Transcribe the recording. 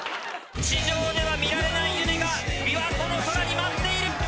・地上では見られない夢が琵琶湖の空に舞っている！